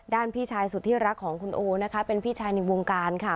พี่ชายสุดที่รักของคุณโอนะคะเป็นพี่ชายในวงการค่ะ